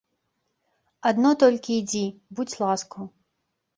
Адно толькі ідзі, будзь ласкаў.